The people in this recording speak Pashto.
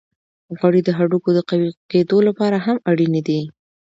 غوړې د هډوکو د قوی کیدو لپاره هم اړینې دي.